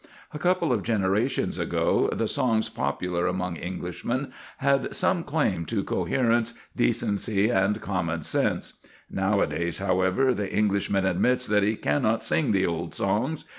A couple of generations ago the songs popular among Englishmen had some claim to coherence, decency, and common sense; nowadays, however, the Englishman admits that "he cannot sing the old songs."